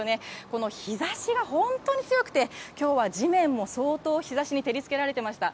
この日ざしが本当に強くて、きょうは地面も相当日ざしに照りつけられてました。